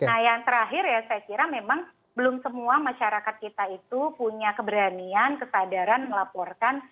nah yang terakhir ya saya kira memang belum semua masyarakat kita itu punya keberanian kesadaran melaporkan